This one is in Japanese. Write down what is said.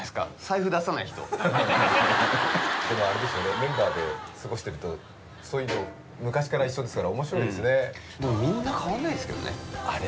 でもあれですよねメンバーで過ごしてるとそういうの昔から一緒ですから面白いですねでもみんな変わんないですけどねあれ？